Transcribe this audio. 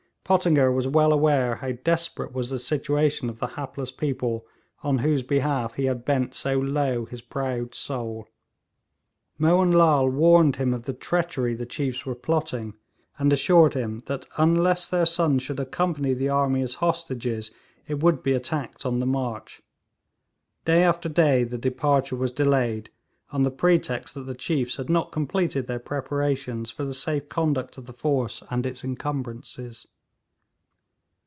Pottinger was well aware how desperate was the situation of the hapless people on whose behalf he had bent so low his proud soul. Mohun Lal warned him of the treachery the chiefs were plotting, and assured him that unless their sons should accompany the army as hostages, it would be attacked on the march. Day after day the departure was delayed, on the pretext that the chiefs had not completed their preparations for the safe conduct of the force and its encumbrances.